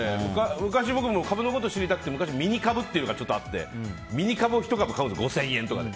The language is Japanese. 昔、僕も株のことを知りたくて昔ミニ株というのがあってミニ株を１株買うんです５０００円とかで。